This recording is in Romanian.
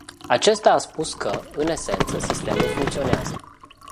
Acesta a spus că, în esență, sistemul funcționează.